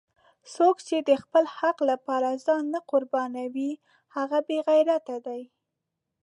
څوک چې د خپل حق لپاره ځان نه قربانوي هغه بېغیرته دی!